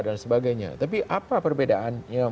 dan sebagainya tapi apa perbedaannya